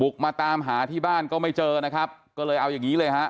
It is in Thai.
มาตามหาที่บ้านก็ไม่เจอนะครับก็เลยเอาอย่างงี้เลยฮะ